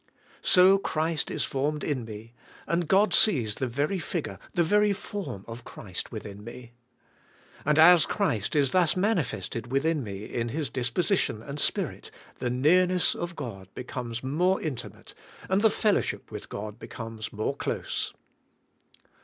So Christ is formed in me, and God sees the very figure, the very form of Christ within me. And as Christ is thus manifested within me in His disposition and Spirit, the nearness of God becomes more intimate and the fellowship with God becomes more close.